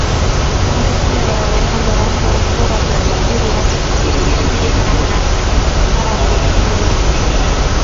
Matukio ya ugonjwa huu huwa juu katika mazingira au vipindi vya unyevunyevu na majimaji